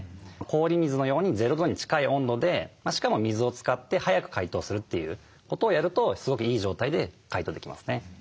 氷水のように０度に近い温度でしかも水を使って速く解凍するということをやるとすごくいい状態で解凍できますね。